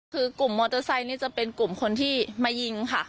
คือกลุ่มมอเตอร์ไซค์นี่จะเป็นกลุ่มคนที่มายิงค่ะ